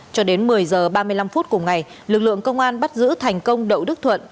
cho đến một mươi h ba mươi năm phút cùng ngày lực lượng công an bắt giữ thành công đậu đức thuận